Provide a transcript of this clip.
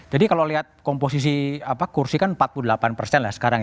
jadi kalau lihat komposisi kursi kan empat puluh delapan lah sekarang ya